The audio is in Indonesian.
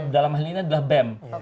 dalam hal ini adalah bem